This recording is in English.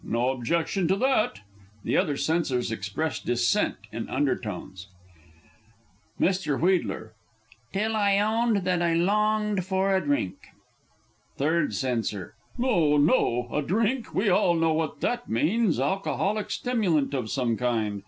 No objection to that! [The other Censors express dissent in undertones. Mr. W. "Till I owned that I longed for a drink." Third C. No, no! "A drink"! We all know what that means alcoholic stimulant of some kind.